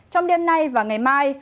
trong đêm nay và ngày mai